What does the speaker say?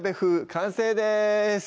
完成です